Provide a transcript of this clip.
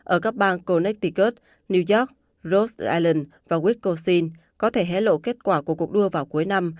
ở các bang connecticut new york rhode island và wisconsin có thể hé lộ kết quả của cuộc đua vào cuối năm